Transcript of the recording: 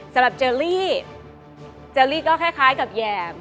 สำหรับเจอรี่เจอรี่ก็คล้ายกับแหยม